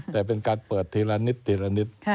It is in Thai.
แต่เป็นการเปิดทีละนิดทีละนิด